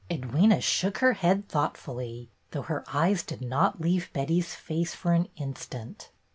Edwyna shook her head thoughtfully, though her eyes did not leave Betty's face for an instant.